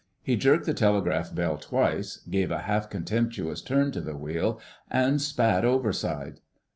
He jerked the telegraph bell twice, gave a half contemptuous turn to the wheel, and spat overside.